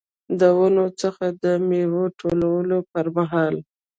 د ونو څخه د میوو ټولولو پرمهال.